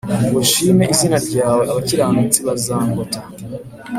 ngo nshime izina ryawe Abakiranutsi bazangota